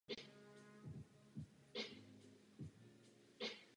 Prověřte Řecko, Španělsko a Portugalsko, ale moji zemi, tu ne.